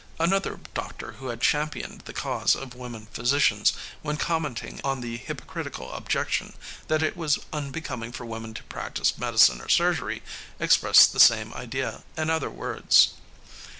Another doctor who had championed the cause of women physicians, when commenting on the hypocritical objection that it was unbecoming for women to practice medicine or surgery, expressed the same idea in other words.